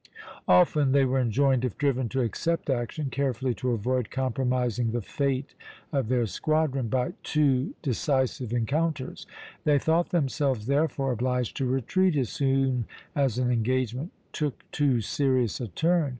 Often they were enjoined, if driven to accept action, carefully to avoid compromising the fate of their squadron by too decisive encounters. They thought themselves, therefore, obliged to retreat as soon as an engagement took too serious a turn.